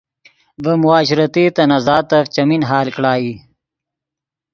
ڤے معاشرتی تنازعاتف چیمین حل کڑا ای